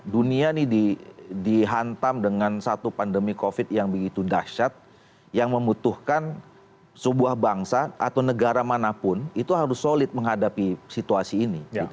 dunia ini dihantam dengan satu pandemi covid yang begitu dahsyat yang membutuhkan sebuah bangsa atau negara manapun itu harus solid menghadapi situasi ini